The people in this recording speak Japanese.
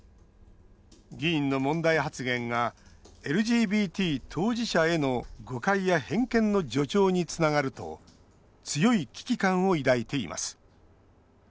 議員の問題発言がＬＧＢＴ当事者への誤解や偏見の助長につながると強い危機感を抱いています